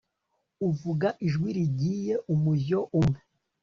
uvuga ijwi rigiye umujyo umwe